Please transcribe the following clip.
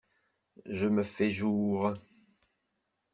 Je me fais jour